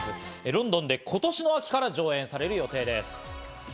ロンドンで今年の秋から上演される予定です。